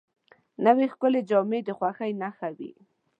نوې ښکلې جامې د خوښۍ نښه وي